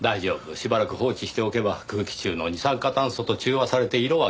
しばらく放置しておけば空気中の二酸化炭素と中和されて色は消えます。